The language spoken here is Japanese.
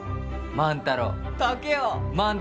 万太郎！